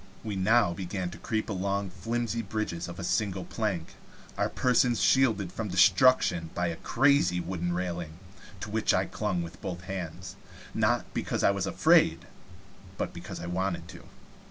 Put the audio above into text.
We now began to creep along flimsy bridges of a single plank, our persons shielded from destruction by a crazy wooden railing, to which I clung with both hands not because I was afraid, but because I wanted to.